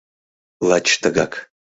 — Лач тыгак!